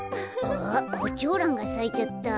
あコチョウランがさいちゃった。